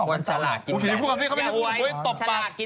วันฉลากินแบงค์